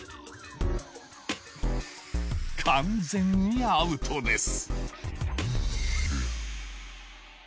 完全にアウトです！